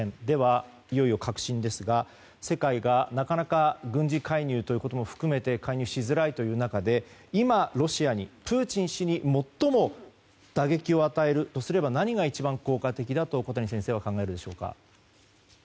では、いよいよ核心ですが世界がなかなか軍事介入ということも含めて介入しづらいという中で今、ロシアにプーチン氏に最も打撃を与えるとすれば何が一番効果的だと小谷先生はお考えでしょうか。